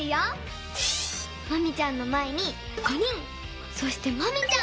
マミちゃんのまえに５人そしてマミちゃん。